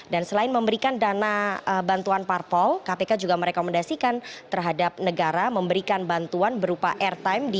dan selain memberikan dana bantuan parpol kpk juga merekomendasikan terhadap negara memberikan bantuan berupa airtime di stasiun televisi